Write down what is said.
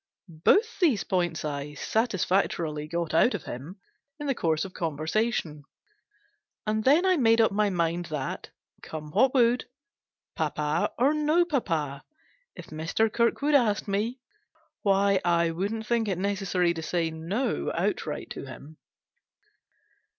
Both those points I satisfactorily got out of him in the course of conversation ; and then I made up my mind that, come what would, papa or no papa, if Mr. Kirkwood asked me why, I 336 GENERAL PASSAVANT'S WILL. wouldn't think it necessary to say " No " outright to him.